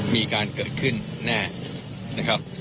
มีการเกิดขึ้นแน่นะครับ